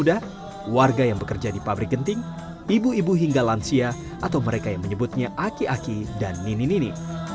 muda warga yang bekerja di pabrik genting ibu ibu hingga lansia atau mereka yang menyebutnya aki aki dan nini nini